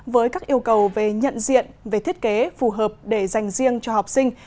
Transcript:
với các yêu cầu về nhận diện về thiết kế phù hợp để dành riêng cho học sinh